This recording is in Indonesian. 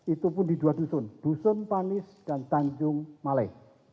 itu pun di dua dusun dusun panis dan tanjung malai